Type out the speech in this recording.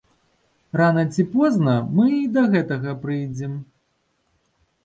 Рана ці позна мы і да гэтага прыйдзем.